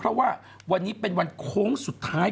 เพราะว่าวันนี้เป็นวันโค้งสุดท้าย